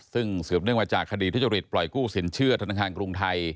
ซึ่งสืบเนื่องมาจากคดีทุจริตปล่อยกู้สินเชื่อธนาคารกรุงไทย